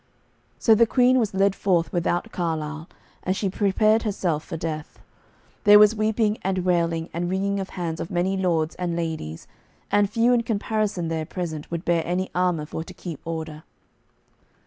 So the Queen was led forth without Carlisle, and she prepared herself for death. There was weeping and wailing and wringing of hands of many lords and ladies, and few in comparison there present would bear any armour for to keep order.